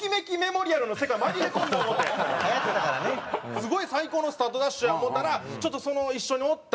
すごい最高のスタートダッシュや思うたらちょっとその一緒におった